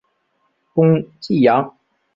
攻济阳。